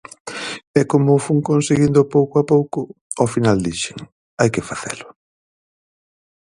E como o fun conseguindo pouco a pouco, ao final dixen "hai que facelo".